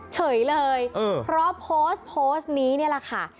เฉยเลยเพราะโพสต์นี้ละค่ะ